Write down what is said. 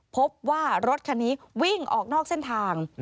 พบว่ารถคันนี้วิ่งออกนอกเส้นทาง